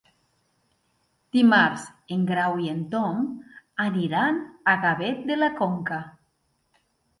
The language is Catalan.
Dimarts en Grau i en Tom aniran a Gavet de la Conca.